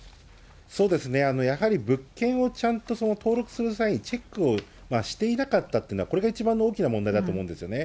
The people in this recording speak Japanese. そうですね、やはり物件をちゃんと登録する際にチェックをしていなかったというのは、これが一番の大きな問題だと思うんですよね。